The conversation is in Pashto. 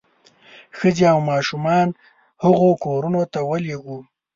ښځې او ماشومان هغو کورونو ته ولېږو.